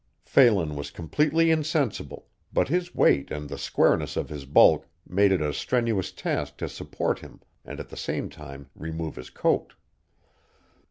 Phelan was completely insensible, but his weight and the squareness of his bulk made it a strenuous task to support him and at the same time remove his coat.